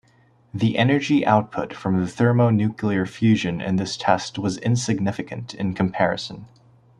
The energy output from the thermonuclear fusion in this test was insignificant in comparison.